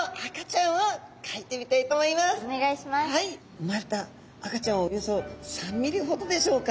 生まれた赤ちゃんはおよそ３ミリほどでしょうか。